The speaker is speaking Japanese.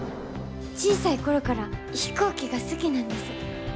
小さい頃から飛行機が好きなんです。